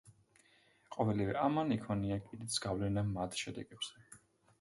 ყოველივე ამან იქონია კიდეც გავლენა მათ შედეგებზე.